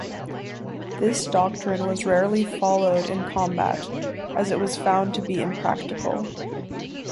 This doctrine was rarely followed in combat, as it was found to be impractical.